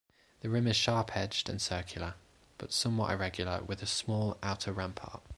The rim is sharp-edged and circular, but somewhat irregular with a small outer rampart.